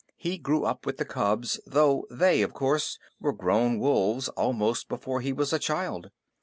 He grew up with the cubs, though they, of course, were grown wolves almost before he was a child.